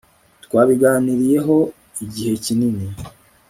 twabiganiriyehoigihe kinini